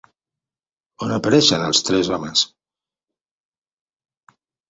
On apareixen els tres homes?